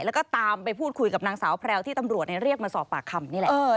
แล้วก็ตามไปพูดคุยกับนางสาวแพรวที่ตำรวจเรียกมาสอบปากคำนี่แหละ